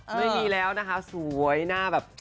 ไม่มีแล้วนะคะสวยหน้าแบบ